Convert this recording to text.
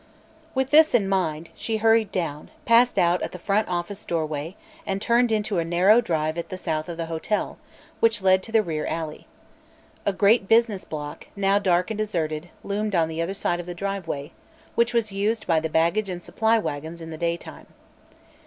With this in mind, she hurried down, passed out at the front office doorway and turned into a narrow drive at the south of the hotel, which led to the rear alley. A great business block, now dark and deserted, loomed on the other side of the driveway, which was used by the baggage and supply wagons in the daytime.